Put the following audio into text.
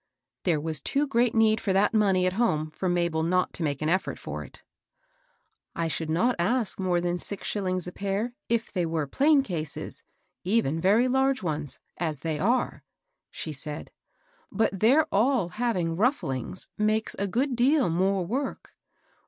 There was too great need for that money at home for Mabel not to make an effort for it. ^^ I should not ask more than six shillings a pair if they were plain cases, even very large ones, as they are," she said ;" but their all having rufflings makes a good deal more work."